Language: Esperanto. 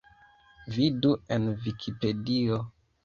Vidu en Vikipedio.